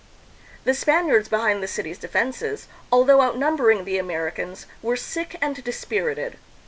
The Spaniards behind the city's defenses, although outnumbering the Americans, were sick and dispirited.